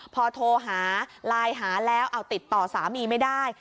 พอโทรหาไลน์หาแล้วเอาติดต่อสามีไม่ได้